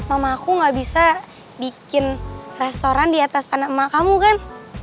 mama aku gak bisa bikin restoran di atas anak emak kamu kan